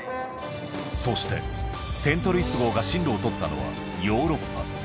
そして、セントルイス号が針路をとったのは、ヨーロッパ。